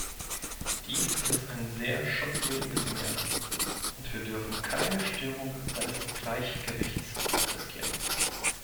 Dies ist ein sehr schutzwürdiges Meer, und wir dürfen keine Störung seines Gleichgewichts riskieren.